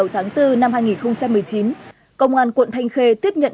tại trụ sở công an